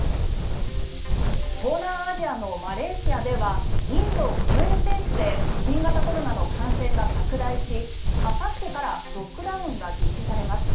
東南アジアのマレーシアではインドを超えるペースで新型コロナの感染が拡大しあさってからロックダウンが実施されます。